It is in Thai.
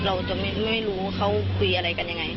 เพราะไม่เคยถามลูกสาวนะว่าไปทำธุรกิจแบบไหนอะไรยังไง